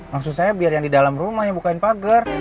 maksud saya biar yang di dalam rumah yang bukain pagar